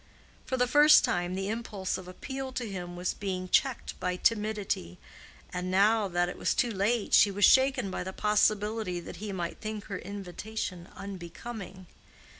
For the first time the impulse of appeal to him was being checked by timidity, and now that it was too late she was shaken by the possibility that he might think her invitation unbecoming.